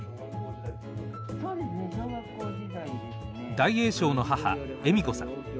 大栄翔の母恵美子さん。